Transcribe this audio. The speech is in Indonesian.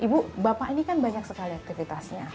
ibu bapak ini kan banyak sekali aktivitasnya